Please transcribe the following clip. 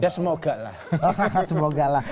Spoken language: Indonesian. ya semoga lah